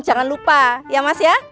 jangan lupa ya mas ya